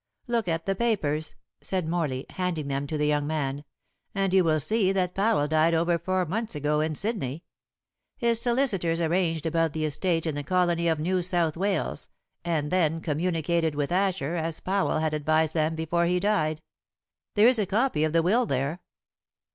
"Look at the papers," said Morley, handing them to the young man, "and you will see that Powell died over four months ago in Sydney. His solicitors arranged about the estate in the colony of New South Wales, and then communicated with Asher as Powell had advised them before he died. There is a copy of the will there."